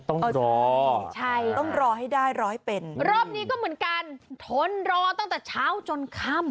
ต้องรอให้ได้รอให้เป็นรอบนี้ก็เหมือนกันทนรอตั้งแต่เช้าจนค่ำ